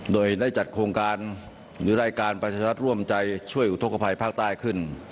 โดยได้จัดโครงการหรือรายการประชารัฐร่วมใจช่วยอุทธกภัยภาคใต้ขึ้น